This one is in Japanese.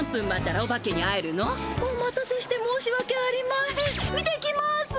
お待たせして申しわけありまへん。